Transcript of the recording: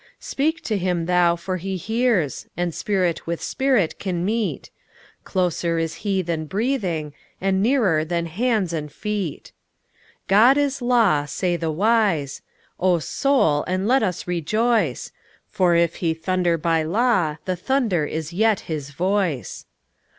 Speak to Him thou for He hears, and Spirit with Spirit can meet—Closer is He than breathing, and nearer than hands and feet. God is law, say the wise; O Soul, and let us rejoice, For if He thunder by law the thunder is yet His voice.